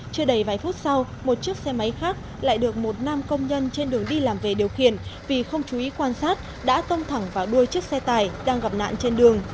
chưa đầy vài phút sau một chiếc xe máy khác lại được một nam công nhân trên đường đi làm về điều khiển vì không chú ý quan sát đã tông thẳng vào đuôi chiếc xe tải đang gặp nạn trên đường